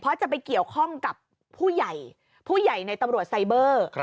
เพราะจะไปเกี่ยวข้องกับผู้ใหญ่ผู้ใหญ่ในตำรวจไซเบอร์